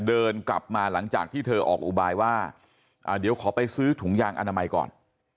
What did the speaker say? เดินกลับมาหลังจากที่เธอออกอุบายว่าเดี๋ยวขอไปซื้อถุงยางอนามัยก่อน